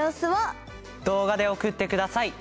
動画で送って下さい。